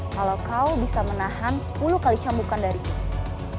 kalau kau bisa menahan sepuluh kali cambukan dari itu